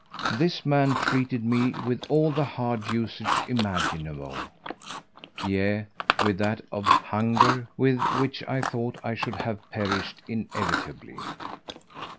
This man treated me with all the hard usage imaginable, yea, with that of hunger, with which I thought I should have perished inevitably.